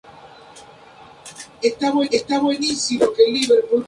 Harald Lange.